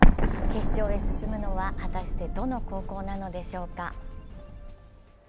決勝へ進むのは果たしてどの高校なのでしょうか。